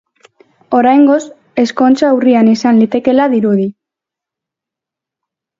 Oraingoz, ezkontza urrian izan litekeela dirudi.